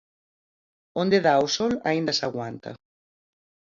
Onde dá o sol aínda se aguanta.